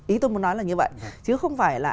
ý tôi muốn nói là như vậy chứ không phải là